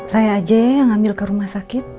saya aja yang ngambil ke rumah sakit